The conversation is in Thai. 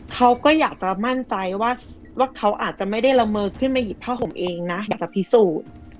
เขาก็อยากจะมั่นใจว่าเขาอาจจะไม่ได้ละเมอขึ้นมาหยิบผ้าห่มเองนะอยากจะพิสูจน์